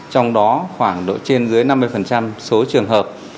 trong đó khoảng độ trên dưới năm mươi số trường hợp